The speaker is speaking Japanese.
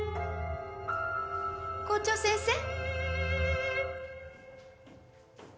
校長先生。